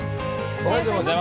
おはようございます。